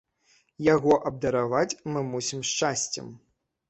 Яго абдараваць мы мусім шчасцем.